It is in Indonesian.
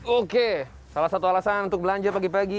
oke salah satu alasan untuk belanja pagi pagi